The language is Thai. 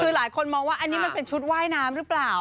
คือหลายคนมองว่าอันนี้มันเป็นชุดว่ายน้ำหรือเปล่า